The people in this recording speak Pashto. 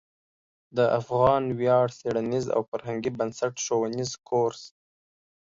د افغان ویاړ څیړنیز او فرهنګي بنسټ ښوونیز کورس